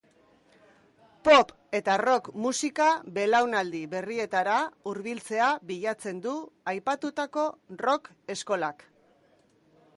Pop eta rock musika belaunaldi berrietara hurbiltzea bilatzen du aipatutako rock eskolak.